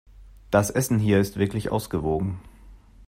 Das Essen hier ist wirklich ausgewogen.